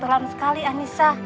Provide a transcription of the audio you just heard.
terima kasih ya